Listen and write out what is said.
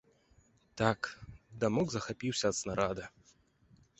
Так, дамок захапіўся ад снарада.